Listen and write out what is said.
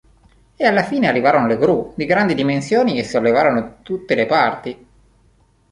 E alla fine arrivarono le gru di grandi dimensioni e sollevarono tutte le parti.